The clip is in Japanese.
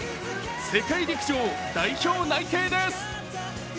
世界陸上代表内定です。